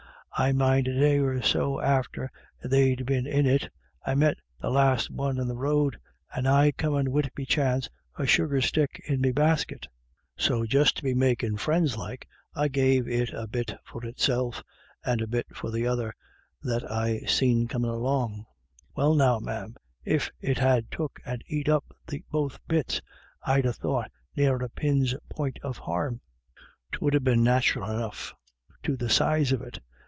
I mind a day or so after they'd been in it, I met the laste one on the road, and I comin' home wid bechance a sugar stick in me baskit. So just to be makin' friends like, I gave it a bit for itself, and a bit for the other, that I seen comin' along. Well now, ma'am, if it had took and eat up the both bits, I'd ha' thought ne'er a pin's point of harm; 'twould ha' been nathural enough to the size of it.